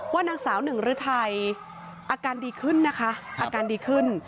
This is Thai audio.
นางสาวหนึ่งฤทัยอาการดีขึ้นนะคะอาการดีขึ้น